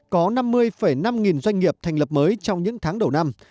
có năm mươi năm nghìn doanh nghiệp thành lập mới trong những tháng đầu năm